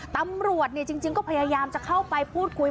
ตำรวจจริงก็พยายามจะเข้าไปพูดคุย